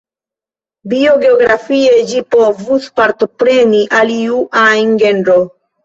Biogeografie, ĝi povus aparteni al iu ajn genro.